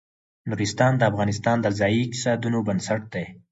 نورستان د افغانستان د ځایي اقتصادونو بنسټ دی.